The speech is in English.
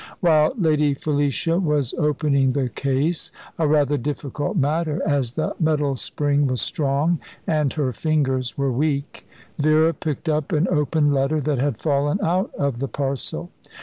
While Lady Felicia was opening the case a rather difficult matter, as the metal spring was strong and her fingers were weak Vera picked up an open letter that had fallen out of the parcel.